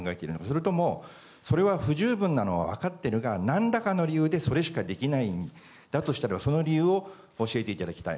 それともそれは不十分なのは分かっているが何らかの理由でそれしかできないんだとしたらその理由を教えていただきたい。